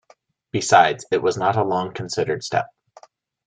Besides, it was not a long-considered step.